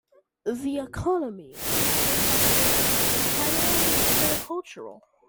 The economy, once based on the river, is now primarily viticultural.